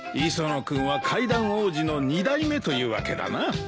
磯野君は階段王子の二代目というわけだな。